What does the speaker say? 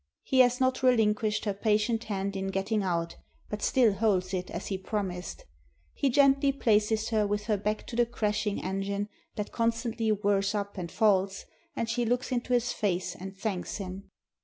He has not relin quished her patient hand in getting out, but still holds it as he promised. He gently places her with her back to the crashing engine that constantly whirrs up and falls, and she looks into his face and thanks him.